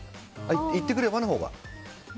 行ってくればのほうが。